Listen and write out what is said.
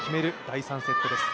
第３セットです。